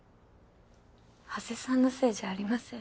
羽瀬さんのせいじゃありません。